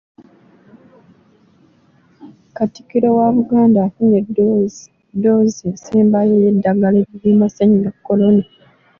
Katikkiro wa Buganda afunye ddoozi esembayo ey’eddagala erigema ssennyiga Corona.